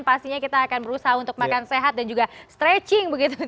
pastinya kita akan berusaha untuk makan sehat dan juga stretching begitu tiap dua jam ya